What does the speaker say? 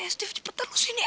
steve cepetan lo sini ya